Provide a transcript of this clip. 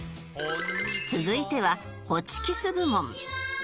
続いてはホチキス部門